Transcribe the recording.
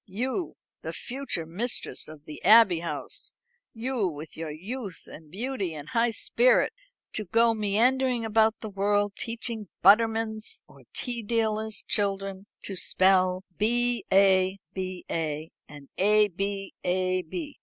You, the future mistress of the Abbey House you, with your youth and beauty and high spirit to go meandering about the world teaching buttermen's or tea dealers' children to spell B a, ba, and A b, ab?"